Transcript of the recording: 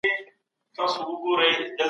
بازار تل زیاتې عرضې ته اړتیا لري.